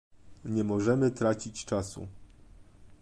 Nie możemy tracić czasu